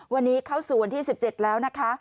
วันนี้เข้าสู่วันที่๑๗แล้วนะคะ